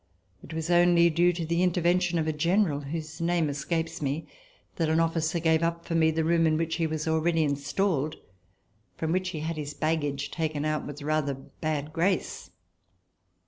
It was only due to the intervention of a general, whose name escapes me, that an officer gave up for me the room in which he was already installed, from which he had his baggage taken out with rather bad grace.